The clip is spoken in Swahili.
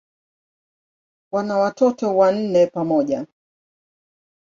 Wana watoto wanne pamoja.